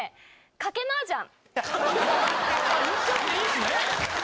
賭けマージャン？